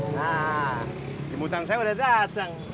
nah imutan saya udah jadang